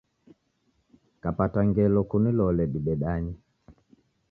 Kapata ngelo kunilole didedanye